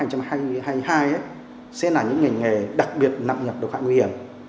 thứ hai sẽ là những ngành nghề đặc biệt nặng nhập độc hại nguy hiểm